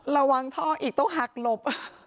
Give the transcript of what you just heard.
ระวังท่ออีกต้องหักหลบ